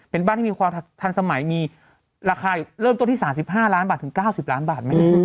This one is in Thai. เป็นบ้านที่มีความทันสมัยมีราคาเริ่มต้นที่๓๕ล้านบาทถึง๙๐ล้านบาทไหม